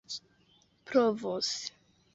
provos